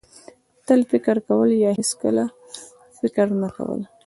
تل فکر کول یا هېڅکله فکر نه کول.